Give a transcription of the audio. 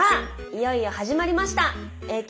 いよいよ始まりました。